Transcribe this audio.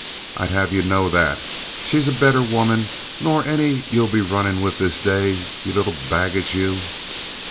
I'd have you know that. She's a better woman nor any you'll be runnin' with this day, you little baggage, you!"